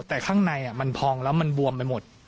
แต่ข้างในมันพองแล้วมันบวมไปหมด